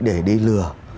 để đi lừa